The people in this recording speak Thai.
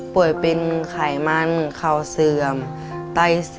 โปรดติดตามต่อไป